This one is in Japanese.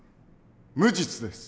無実です。